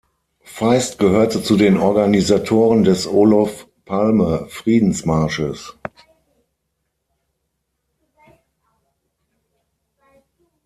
Feist gehörte zu den Organisatoren des Olof-Palme-Friedensmarsches.